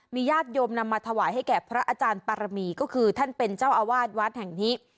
ญาติโยมนำมาถวายให้แก่พระอาจารย์ปารมีก็คือท่านเป็นเจ้าอาวาสวัดแห่งนี้